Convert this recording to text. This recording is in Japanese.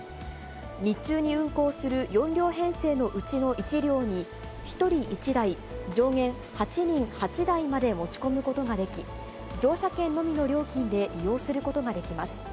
日中に運行する４両編成のうちの１両に、１人１台上限８人８台まで持ち込むことができ、乗車券のみの料金で利用することができます。